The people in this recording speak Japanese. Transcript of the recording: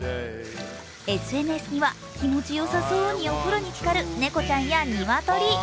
ＳＮＳには、気持ちよさそうにお風呂につかる猫ちゃんや鶏。